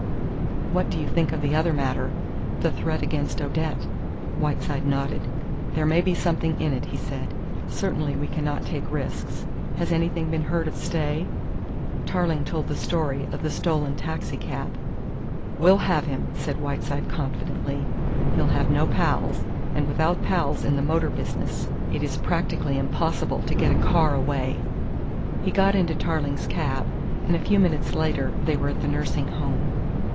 "What do you think of the other matter the threat against Odette?" Whiteside nodded. "There may be something in it," he said. "Certainly we cannot take risks. Has anything been heard of Stay?" Tarling told the story of the stolen taxicab. "We'll have him," said Whiteside confidently. "He'll have no pals, and without pals in the motor business it is practically impossible to get a car away." He got into Tarling's cab, and a few minutes later they were at the nursing home.